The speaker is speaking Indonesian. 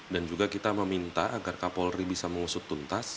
dan juga kita meminta agar kapolri bisa mengusut tuntas